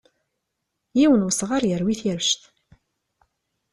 Yiwen n usɣar yerwi tirect.